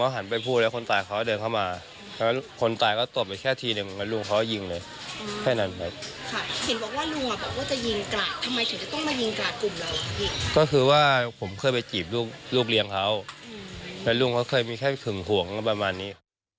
หวังประมาณนี้